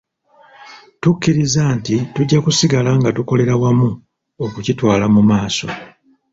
Tukkiriza nti tujja kusigala nga tukolera wamu okukitwala mu maaso .